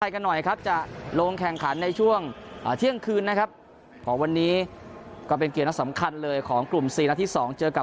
กันหน่อยครับจะลงแข่งขันในช่วงเที่ยงคืนนะครับของวันนี้ก็เป็นเกมนัดสำคัญเลยของกลุ่ม๔นัดที่๒เจอกับ